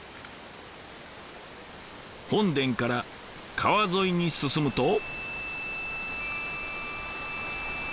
本殿から川沿いに進むと。